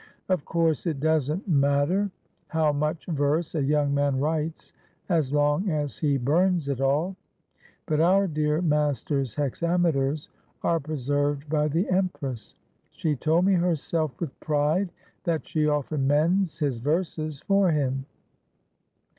Of course, it does n't matter how much verse a young man writes, as long as he bums it all, but our dear master's hexameters are preserved by the empress. She told me herself with pride that she often 'mends' his verses for him.